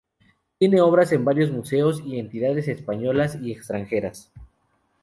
Tiene obras en varios museos y entidades españolas y extranjeras.